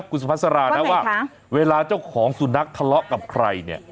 คุณสุภาษารานะว่าเวลาเจ้าของสุนัขทะเลาะกับใครเนี่ย